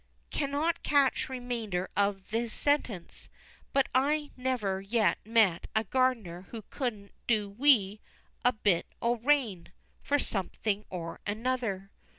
Cannot catch remainder of his sentence; but I never yet met a gardener who couldn't "do wi' a bit o' rain" for something or other.